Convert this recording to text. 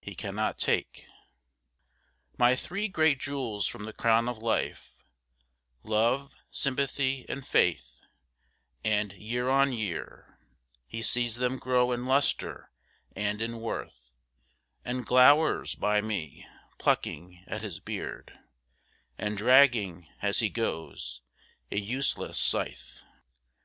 He cannot take My three great jewels from the crown of life: Love, sympathy, and faith; and year on year He sees them grow in lustre and in worth, And glowers by me, plucking at his beard, And dragging, as he goes, a useless scythe.